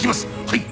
はい！